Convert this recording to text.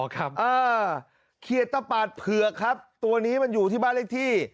อ๋อครับอ่าเขียดตะปาดเผือกครับตัวนี้มันอยู่ที่บ้านเลขที่